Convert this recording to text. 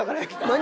何？